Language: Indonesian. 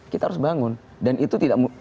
kita harus bangun dan itu tidak